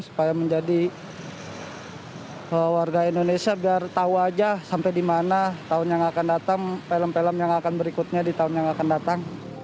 supaya menjadi warga indonesia biar tahu aja sampai di mana tahun yang akan datang film film yang akan berikutnya di tahun yang akan datang